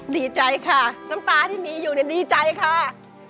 ดีใจค่ะน้ำตาที่มีอยู่ดีใจค่ะ